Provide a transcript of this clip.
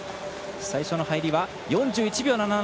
最初の入りは４１秒７７。